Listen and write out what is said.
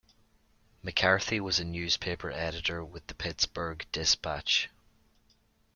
McCarthy was a newspaper editor with the "Pittsburgh Dispatch".